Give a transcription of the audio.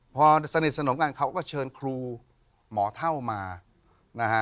พอสนิทสนมกันเขาก็เชิญครูหมอเท่ามานะฮะ